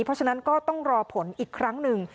เพราะฉะนั้นก็ต้องรอผลอีกครั้งหนึ่ง